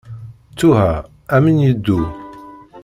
Ttuha, amen yeddu.